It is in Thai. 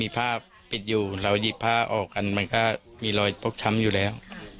ผ้าปิดอยู่เราหยิบผ้าออกกันมันก็มีรอยฟกช้ำอยู่แล้ว